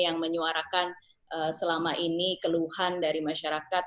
yang menyuarakan selama ini keluhan dari masyarakat